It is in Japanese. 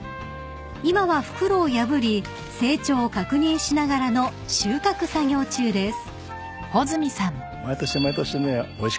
［今は袋を破り成長を確認しながらの収穫作業中です］